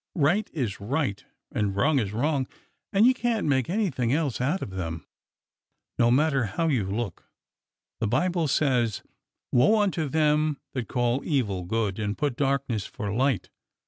Right is right and wrong is wrong, and you can't make anything else out of them, no matter how you look. The Bible says :^ Woe unto them that call evil good and put darkness for light.'